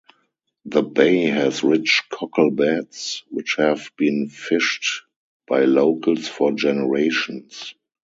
The bay has rich cockle beds, which have been fished by locals for generations.